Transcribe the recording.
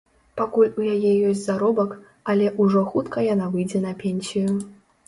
Пакуль у яе ёсць заробак, але ўжо хутка яна выйдзе на пенсію.